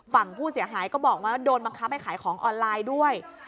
ฝั่งผู้เสียหายก็บอกว่าโดนบังคับให้ขายของออนไลน์ด้วย